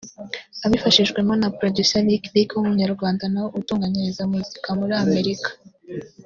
abifashijwemo na Producer Licklick w’umunyarwanda nawe utunganyiriza muzika muri Amerika